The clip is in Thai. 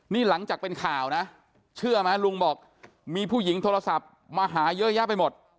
นี่หลังจากเป็นข่าวนะเชื่อไหมลุงบอกมีผู้หญิงโทรศัพท์มาหาเยอะแยะไปหมด